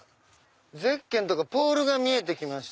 ゼッケンとかポールが見えて来ました。